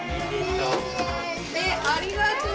ありがとう。